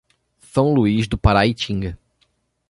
São Luiz do Paraitinga